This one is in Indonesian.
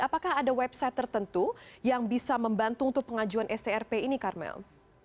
apakah ada website tertentu yang bisa membantu untuk pengajuan strp ini karmel